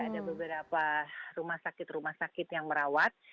ada beberapa rumah sakit rumah sakit yang merawat